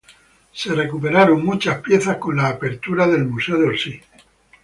Con la apertura del Museo de Orsay, muchas piezas fueron recuperadas.